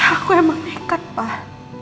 aku emang nekat pak